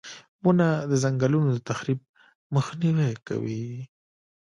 • ونه د ځنګلونو د تخریب مخنیوی کوي.